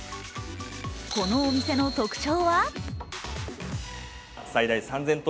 このお店の特徴は？